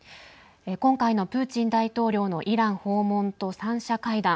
今回のプーチン大統領のイラン訪問と３者会談